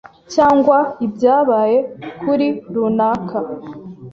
cyangwA ibyabaye kuri runaka